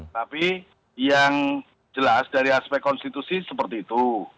tapi yang jelas dari aspek konstitusi seperti itu